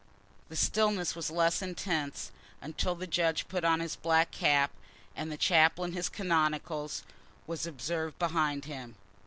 The stillness was less intense until the judge put on his black cap, and the chaplain in his canonicals was observed behind him.